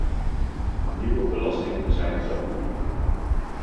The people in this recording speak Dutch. Nieuwe belastingen zijn taboe.